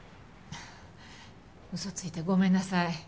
嘘ついてごめんなさい。